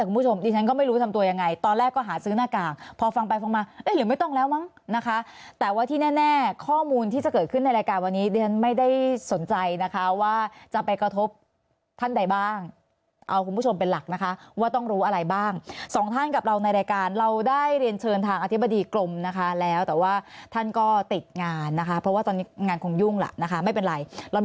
คุณผู้ชมดิฉันก็ไม่รู้ทำตัวยังไงตอนแรกก็หาซื้อหน้ากากพอฟังไปฟังมาเอ๊ะหรือไม่ต้องแล้วมั้งนะคะแต่ว่าที่แน่ข้อมูลที่จะเกิดขึ้นในรายการวันนี้ดิฉันไม่ได้สนใจนะคะว่าจะไปกระทบท่านใดบ้างเอาคุณผู้ชมเป็นหลักนะคะว่าต้องรู้อะไรบ้างสองท่านกับเราในรายการเราได้เรียนเชิญทางอธิบดีกรมนะคะแล้วแต่ว่าท่านก็ติดงานนะคะเพราะว่าตอนนี้งานคงยุ่งล่ะนะคะไม่เป็นไรเรามี